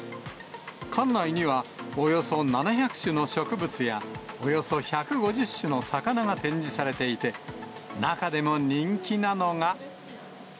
館内には、およそ７００種の植物やおよそ１５０種の魚が展示されていて、中でも人気なのが。